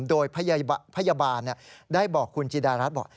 โดยพยาบาลได้บอกคุณจิดารัฐบอก